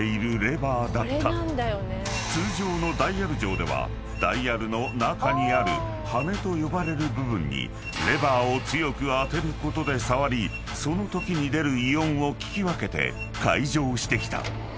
［通常のダイヤル錠ではダイヤルの中にある羽根と呼ばれる部分にレバーを強く当てることで触りそのときに出る］